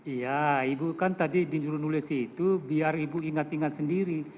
iya ibu kan tadi disuruh nulis itu biar ibu ingat ingat sendiri